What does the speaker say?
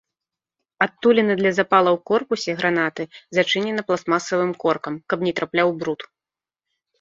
Адтуліна для запала ў корпусе гранаты зачынена пластмасавым коркам, каб не трапляў бруд.